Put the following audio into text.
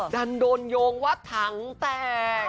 อย่างดลงโยงว่าทั้งแตก